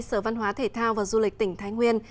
sở văn hóa thể thao và du lịch tỉnh thái nguyên